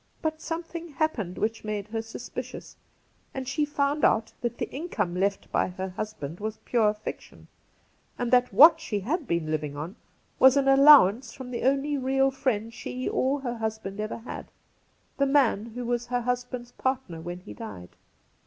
But something happened which made her suspicious, and she found out that the income left by her husband was pure fiction, and that what Cassidy 139 she had been living on was an allowance from the only real friend she or her husband ever had — the man who was her husband's partner when he died.'